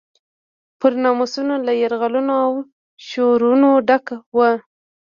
پر ناموسونو له یرغلونو او شورونو ډک و.